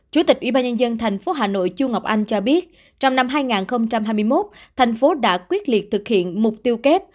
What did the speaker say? chủ tịch ubnd tp hà nội chu ngọc anh cho biết trong năm hai nghìn hai mươi một thành phố đã quyết liệt thực hiện mục tiêu kép